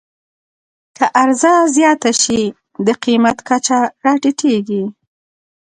که عرضه زیاته شي، د قیمت کچه راټیټېږي.